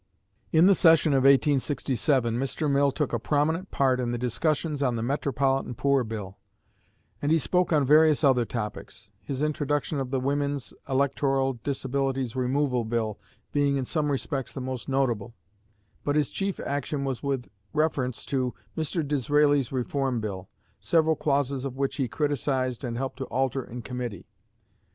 In the session of 1867 Mr. Mill took a prominent part in the discussions on the Metropolitan Poor Bill; and he spoke on various other topics, his introduction of the Women's Electoral Disabilities Removal Bill being in some respects the most notable: but his chief action was with reference to Mr. Disraeli's Reform Bill, several clauses of which he criticised and helped to alter in committee.